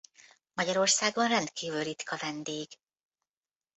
Magyarországon rendkívül ritka vendég.